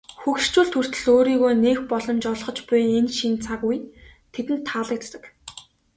Хөгшчүүлд хүртэл өөрийгөө нээх боломж олгож буй энэ шинэ цаг үе тэдэнд таалагддаг.